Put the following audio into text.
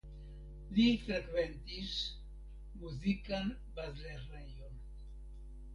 Li frekventis muzikan bazlernejon.